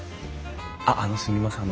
あっあのすみません。